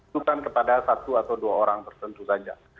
bukan kepada satu atau dua orang tertentu saja